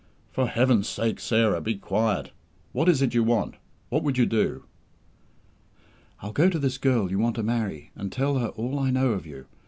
"For Heaven's sake, Sarah, be quiet. What is it you want? What would you do?" "I'll go to this girl you want to marry, and tell her all I know of you.